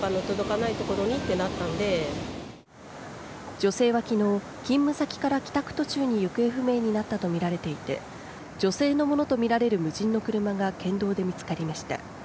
女性は昨日勤務先から帰宅途中に行方不明になったとみられていて女性のものとみられる無人の車が県道で見つかりました。